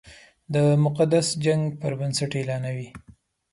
د مقدس جنګ پر بنسټ اعلانوي.